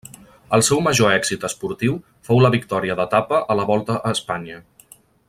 El seu major èxit esportiu fou la victòria d'etapa a la Volta a Espanya.